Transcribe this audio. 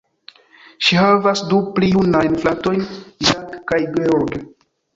Ŝi havas du pli junajn fratojn, Jack kaj George.